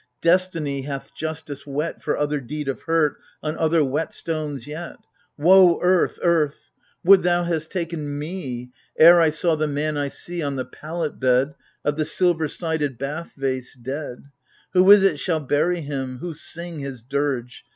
Destiny doth Justice whet For other deed of hurt, on other whetstones yet. Woe, earth, earth — would thou hads: taken me Ere I saw the man I see, On the pallet bed Of the silver sided bath vase, dead ! Who is it shall bury him, who Sing his dirge